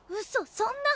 そんな！